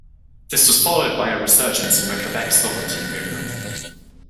This was followed by a resurgence in the Quebec sovereignty movement.